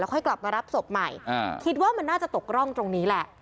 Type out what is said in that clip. ค่อยกลับมารับศพใหม่คิดว่ามันน่าจะตกร่องตรงนี้แหละ